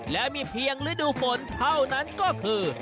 และมีเพียงฤดูฝนเท่านั้นก็คือ